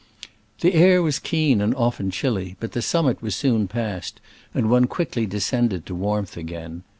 The air was keen and often chilly, but the summit was soon passed, and one quickly descended to warmth again.